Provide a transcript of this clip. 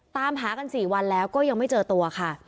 ตามหากัน๔วันแล้วก็ยังไม่เจอตัวค่ะ